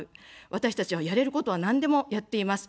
私たちは、やれることはなんでもやっています。